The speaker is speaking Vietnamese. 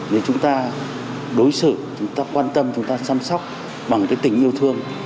nếu chúng ta đối xử chúng ta quan tâm chúng ta chăm sóc bằng tình yêu thương